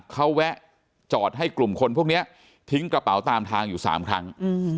เขาแวะจอดให้กลุ่มคนพวกนี้ทิ้งกระเป๋าตามทางอยู่๓ครั้ง